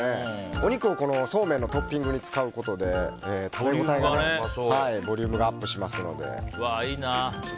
お肉をそうめんのトッピングに使うことで食べ応えがありますしボリュームもアップします。